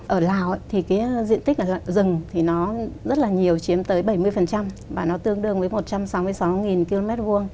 ở lào diện tích rừng rất nhiều chiếm tới bảy mươi và tương đương với một trăm sáu mươi sáu km hai